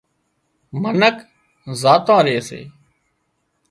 منک زاتان ري سي